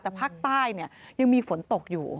แต่ภาคใต้ยังมีฝนตกอยู่